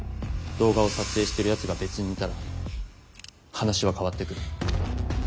動画を撮影してるやつが別にいたら話は変わってくる。